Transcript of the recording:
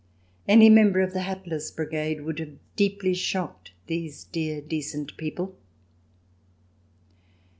Any member of the hatless brigade would have deeply shocked these dear decent people.